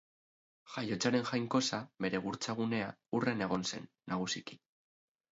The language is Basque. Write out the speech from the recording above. Jaiotzaren jainkosa, bere gurtza gunea, Urren egon zen, nagusiki.